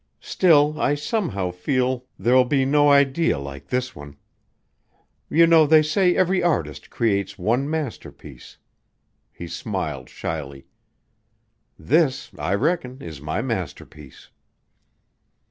Still, I somehow feel there'll be no idee like this one. You know they say every artist creates one masterpiece," he smiled shyly. "This, I reckon, is my masterpiece."